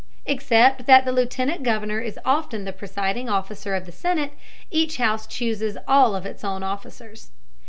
Except that the lieutenant governor is often the presiding officer of the senate, each house chooses all of its own officers.